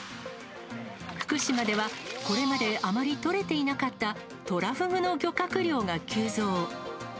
福島では、これまであまり取れていなかったトラフグの漁獲量が急増。